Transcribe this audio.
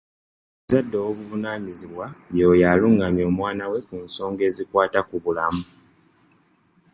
Omuzadde ow'obuvunaanyizibwa y'oyo alungamya omwana we ku nsoga ezikwata ku bulamu.